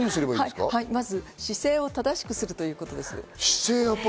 まず姿勢を正しくするということです。